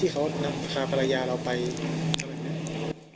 ที่เขาพากับภรรยาเราไปแสดงตอนนี้